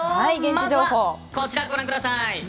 まずはこちら、ご覧ください。